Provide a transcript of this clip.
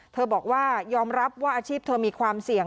บอกว่ายอมรับว่าอาชีพเธอมีความเสี่ยง